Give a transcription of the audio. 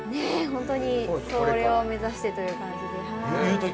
本当にそれを目指してという感じではい。